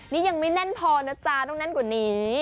นี่ยังไม่แน่นพอนะจ๊ะต้องแน่นกว่านี้